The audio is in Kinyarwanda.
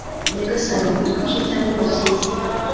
Nyagasani utwice cyangwa udukize